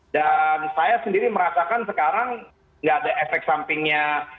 dan saya sendiri merasakan sekarang enggak ada efek sampingnya